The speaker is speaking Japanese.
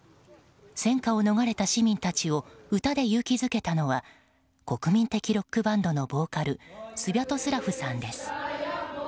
戦火を逃れた市民たちを歌で勇気づけたのは国民的ロックバンドのボーカルスヴャトスラフさんです。